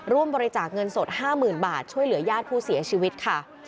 ร่วมบริจาคเงินสด๕๐๐๐บาทช่วยเหลือญาติผู้เสียชีวิตค่ะ